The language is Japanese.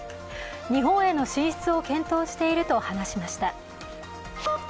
日本への進出を検討していると話しました。